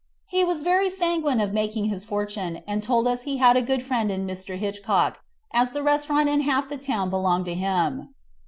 He was very sanguine of making his fortune, and told us he had a good friend in Mr. Hitchcock, as the restaurant and half the town belonged to him.